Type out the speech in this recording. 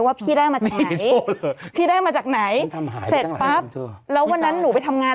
ว่าพี่ได้มาจากไหนพี่ได้มาจากไหนเสร็จปั๊บแล้ววันนั้นหนูไปทำงาน